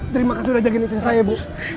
terima kasih sudah jagain istri saya bu